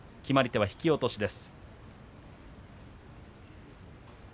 決まり手は引き落としです。